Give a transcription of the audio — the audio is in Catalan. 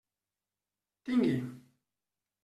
Tingui.